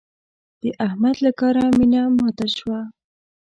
د احمد له کاره مينه ماته شوه.